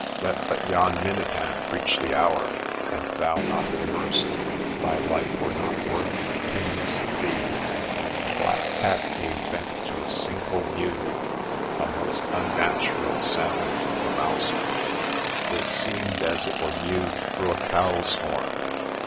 let but yon minute hand reach the hour, and thou not immersed, thy life were not worth a pin's fee !' The Black Cat gave vent to a single ititew, — a most unnatural sound for a mouser, — it seemed as it were mewed through a cow's horn.